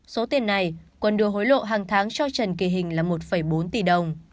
số tiền này quân đưa hối lộ hàng tháng cho trần kỳ hình là một bốn tỷ đồng